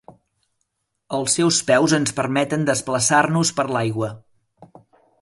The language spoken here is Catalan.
Els seus peus ens permeten desplaçar-nos per l'aigua.